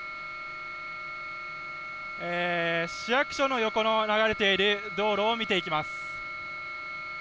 市役所の横を流れている道路を見ていきます。